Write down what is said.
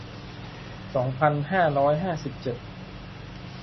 สองพันห้าร้อยห้าสิบเอ็ด